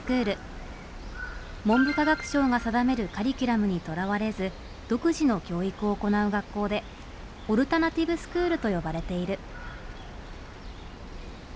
文部科学省が定めるカリキュラムにとらわれず独自の教育を行う学校で「オルタナティブスクール」と呼ばれている。